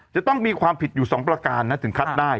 จะต้องมีความผิดอยู่๒ประการนะถึงคัดได้